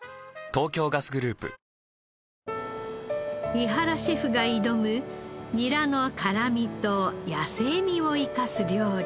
井原シェフが挑むニラの辛みと野性味を生かす料理。